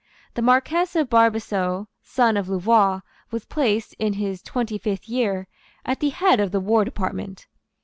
The Marquess of Barbesieux, son of Louvois, was placed, in his twenty fifth year, at the head of the war department.